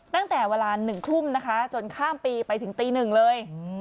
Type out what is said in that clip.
ตั้งแต่เวลา๑ทุ่มนะคะจนข้ามปีไปถึงตีหนึ่งเลย